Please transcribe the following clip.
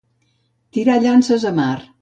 Tirar llances a mar.